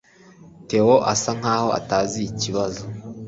Theo asa nkaho atazi ikibazo.